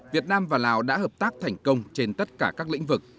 việt nam và lào đã hợp tác thành công trên tất cả các lĩnh vực